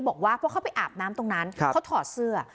บอกว่าเพราะเขาไปอาบน้ำตรงนั้นเขาถอดเสื้อ